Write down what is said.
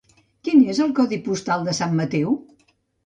Quin és el codi postal de Sant Mateu?